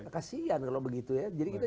kasian kalau begitu ya jadi kita